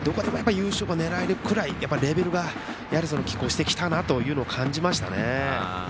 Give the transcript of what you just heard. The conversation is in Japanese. どこでも優勝が狙えるぐらいレベルがきっ抗してきたなというのを感じました。